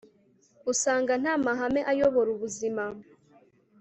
usanga nta mahame ayobora ubuzima